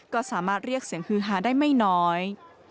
ก็สามารถเรียกเสียงฮือฮาได้ไม่น้อย